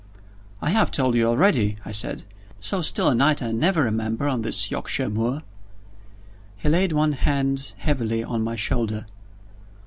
"I have told you already," I said. "So still a night I never remember on this Yorkshire moor." He laid one hand heavily on my shoulder.